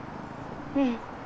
うん。